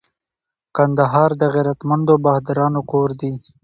کندهار د غیرتمنو بهادرانو کور دي